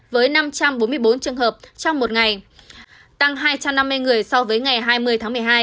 với năm trăm bốn mươi bốn trường hợp trong một ngày tăng hai trăm năm mươi người so với ngày hai mươi tháng một mươi hai